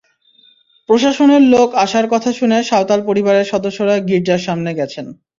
প্রশাসনের লোক আসার কথা শুনে সাঁওতাল পরিবারের সদস্যরা গির্জার সামনে গেছেন।